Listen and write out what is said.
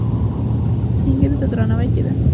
سپین ږیرو ته درناوی کیده